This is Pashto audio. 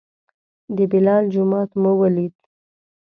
د بلال جومات مو ولید.